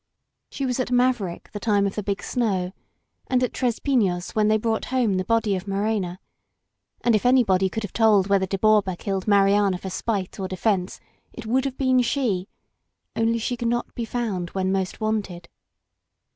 She was at Maverick the time of the Big Snow, and at Tres Pifios when they brought home the body of Morena ; and if any body could have told whether De Borba killed Mariana for spite or defence, it would have been she, only she could not be found when most wanted.